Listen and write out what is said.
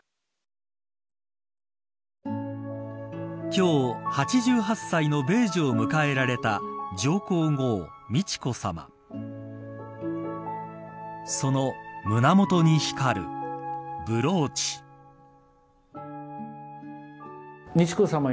今日８８歳の米寿を迎えられた上皇后美智子さま。